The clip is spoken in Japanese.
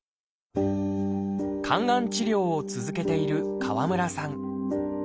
肝がん治療を続けている川村さん。